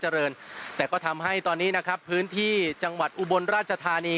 เจริญแต่ก็ทำให้ตอนนี้นะครับพื้นที่จังหวัดอุบลราชธานี